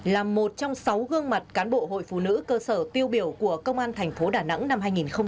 là một trong sáu gương mặt cán bộ hội phụ nữ cơ sở tiêu biểu của công an thành phố đà nẵng năm hai nghìn hai mươi ba